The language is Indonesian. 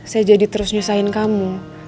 saya jadi terus nyusahin kamu